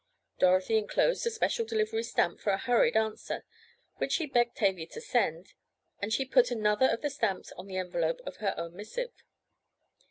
Dorothy enclosed a special delivery stamp for a hurried answer, which she begged Tavia to send, and she put another of the stamps on the envelope of her own missive.